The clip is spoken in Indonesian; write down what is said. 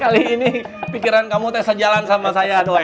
kali ini pikiran kamu tersajalan sama saya doi